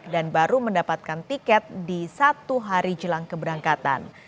dan baru mendapatkan tiket di satu hari jelang keberangkatan